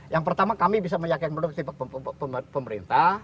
yang pertama kami bisa meyakinkan produksi pemerintah